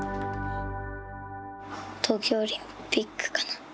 東京オリンピックかな。